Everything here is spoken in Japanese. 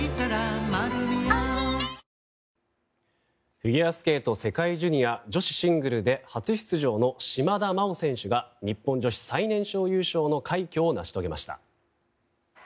フィギュアスケート世界ジュニア女子シングルで初出場の島田麻央選手が日本女子最年少優勝の快挙を成し遂げました。